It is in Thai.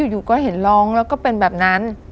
อยู่ก็เห็นร้องแล้วก็เป็นแบบนั้น